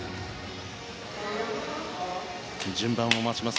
順番を待ちます